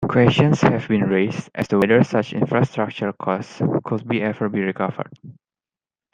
Questions have been raised as to whether such infrastructure costs could ever be recovered.